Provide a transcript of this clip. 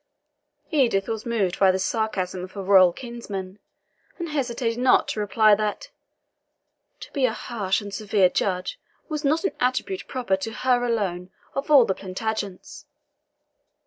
Edith was moved by this sarcasm of her royal kinsman, and hesitated not to reply that, "To be a harsh and severe judge was not an attribute proper to her alone of all the Plantagenets."